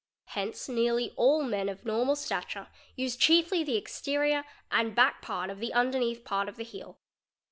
Hence nearly all men of normal stature use chiefly ' the exterior and back part of the underneath part of the heel.